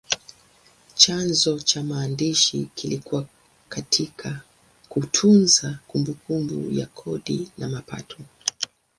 Chanzo cha maandishi kilikuwa katika kutunza kumbukumbu ya kodi na mapato.